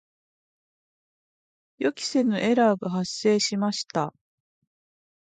予期せぬエラーが発生しました。